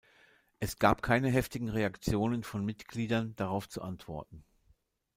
Es gab keine heftigen Reaktionen von Mitgliedern, darauf zu antworten.